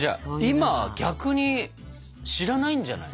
今は逆に知らないんじゃない？